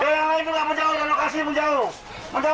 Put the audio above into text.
daya yang lain tidak menjauh lokasi menjauh